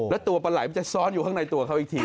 แล้วตัวปลาไหล่มันจะซ้อนอยู่ข้างในตัวเขาอีกที